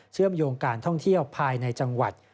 เชื่อมโยงการท่องเที่ยวภายในจังหวัด